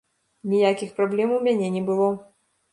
Ніякіх праблем у мяне не было.